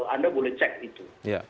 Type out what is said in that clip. anda boleh cek itu